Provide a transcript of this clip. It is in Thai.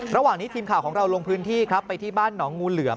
ระหว่างนี้ทีมข่าวของเราลงพื้นที่ครับไปที่บ้านหนองงูเหลือม